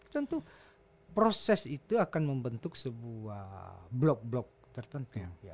tentu proses itu akan membentuk sebuah blok blok tertentu